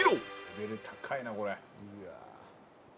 「レベル高いなこれ」